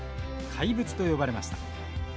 怪物と呼ばれました。